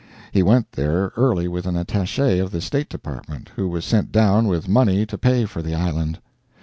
He went there early with an attache of the State Department, who was sent down with money to pay for the island.